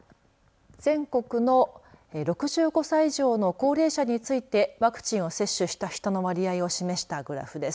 全国の６５歳以上の高齢者についてワクチンを接種した人の割合を示したグラフです。